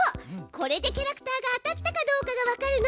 これでキャラクターが当たったかどうかがわかるの。